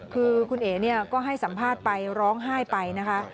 คือคุณเอ๋ก็ให้สัมภาษณ์ไปร้องไห้ไปนะคะ